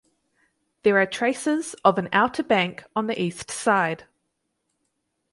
There are traces af an outer bank on the east side.